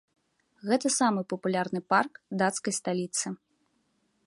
Гэта самы папулярны парк дацкай сталіцы.